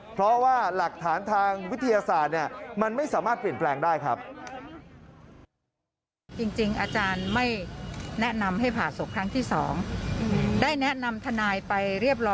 เพราะว่าหลักฐานทางวิทยาศาสตร์มันไม่สามารถเปลี่ยนแปลงได้ครับ